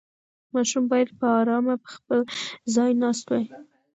ماشوم باید په ارامه په خپل ځای ناست وای.